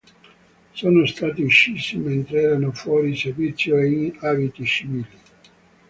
Sono stati uccisi mentre erano fuori servizio e in abiti civili.